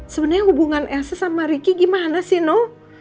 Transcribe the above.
sebenarnya hubungan elsa sama ricky gimana sih no